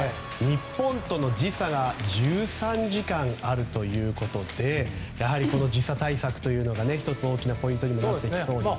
日本との時差が１３時間あるということでやはり時差対策が１つ大きなポイントになってきそうですね。